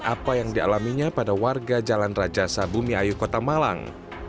apa yang dialaminya pada warga jalan rajasa bumi ayu kota malang